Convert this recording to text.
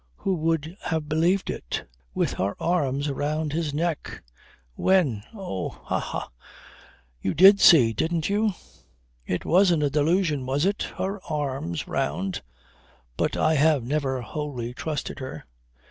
Who would have believed it? with her arms round his neck. When! Oh! Ha! Ha! You did see! Didn't you? It wasn't a delusion was it? Her arms round ... But I have never wholly trusted her."